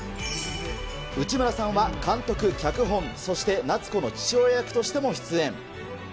内村さんは監督、脚本、そして夏子の父親役としても出演。